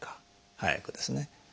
早くですね。